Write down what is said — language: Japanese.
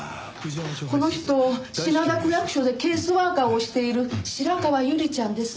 この人品田区役所でケースワーカーをしている白川友里ちゃんです。